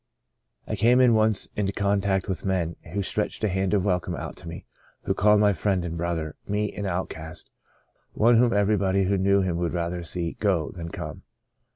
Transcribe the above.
I came at once into contact with men, who stretched a hand of welcome out to me, who called me friend and brother — me, an outcast, one whom everybody who knew him would rather see go than come.